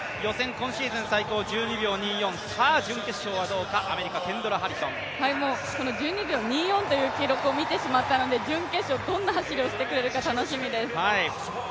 今シーズン最高１２秒２４、さあ準決勝はどうか、アメリカ、ケンドラ・ハリソン。１２秒２４という記録を見てしまったので、準決勝どんな走りをしてくるか楽しみです。